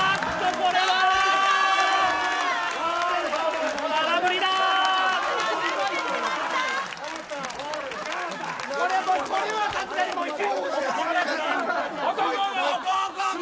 これは、さすがにもう１回。